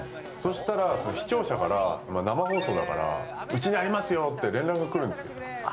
そしたら、視聴者から、生放送だから「うちにありますよ」って連絡が来るんですよ。